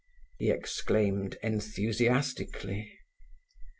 _" he exclaimed enthusiastically.